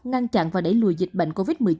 ngăn chặn và đẩy lùi dịch bệnh covid một mươi chín